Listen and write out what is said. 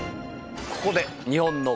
ここで。